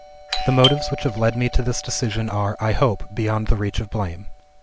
"The motives which have led me to this decision are, I hope, beyond the reach of blame.